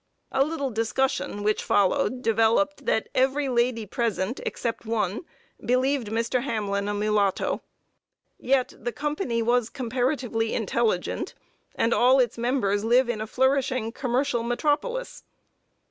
A little discussion which followed developed that every lady present, except one, believed Mr. Hamlin a mulatto. Yet the company was comparatively intelligent, and all its members live in a flourishing commercial metropolis.